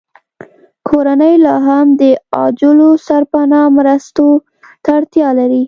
کورنۍ لاهم د عاجلو سرپناه مرستو ته اړتیا لري